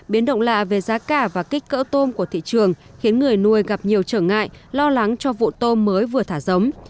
biến động lạ về giá cả và kích cỡ tôm của thị trường khiến người nuôi gặp nhiều trở ngại lo lắng cho vụ tôm mới vừa thả giống